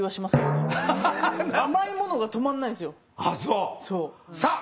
あっそう。